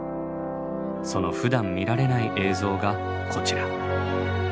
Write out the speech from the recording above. そのふだん見られない映像がこちら。